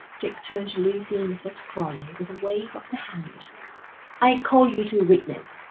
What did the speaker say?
Dick turned to Lucy and Mrs. Crowley with a wave of the hand. 'I call you to witness.